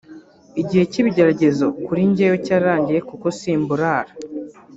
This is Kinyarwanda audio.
Igihe cy’ibigeragezo kuri njyewe cyararangiye kuko simburara